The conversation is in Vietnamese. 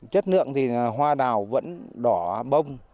chất lượng thì hoa đào vẫn đỏ bông